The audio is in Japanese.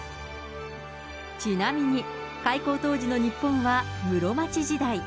ちなみに、開校当時の日本は室町時代。